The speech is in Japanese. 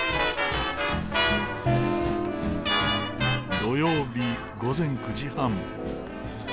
土曜日午前９時半。